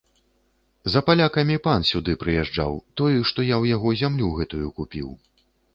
За палякамі пан сюды прыязджаў, той, што я ў яго зямлю гэтую купіў.